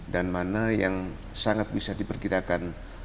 dan mana yang sangat bisa diperkirakan